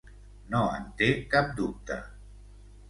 No en té cap dubte.